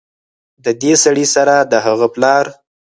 ددې سړي سره د هغه پلار